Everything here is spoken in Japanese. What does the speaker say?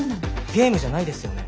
ゲームじゃないですよね？